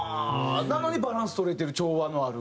なのにバランス取れてる調和のある。